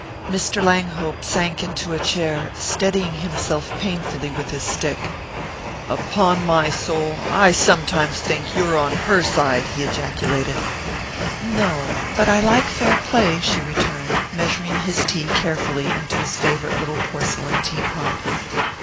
Mr. Langhope sank into a chair, steadying himself painfully with his stick. "Upon my soul, I sometimes think you're on her side!" he ejaculated. "No but I like fair play," she returned, measuring his tea carefully into his favourite little porcelain tea pot.